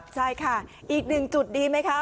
ใช่ค่ะอีกหนึ่งจุดดีไหมคะ